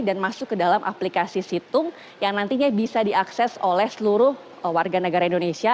dan masuk ke dalam aplikasi situm yang nantinya bisa diakses oleh seluruh warga negara indonesia